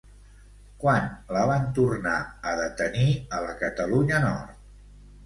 Quan la van tornar a detenir a la Catalunya Nord?